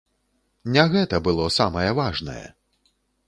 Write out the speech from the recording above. Не гэта было самае важнае!